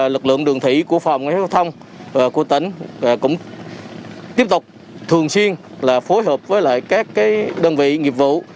lực lượng đường thủy của phòng giao thông của tỉnh cũng tiếp tục thường xuyên phối hợp với các đơn vị nghiệp vụ